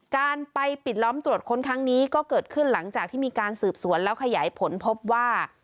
การไปปิดล้อมตรวจค้นครั้งนี้ก็เกิดขึ้นหลังจากที่มีการสืบสวนแล้วขยายผลพบว่า